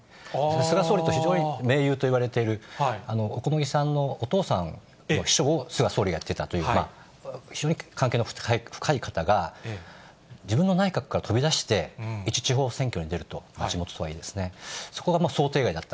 菅総理と非常に盟友といわれている小此木さんのお父さんの秘書を菅総理がやっていたという、非常に関係の深い方が、自分の内閣から飛び出して、一地方選挙に出るという、地元とはいえ、そこがもう想定外だった。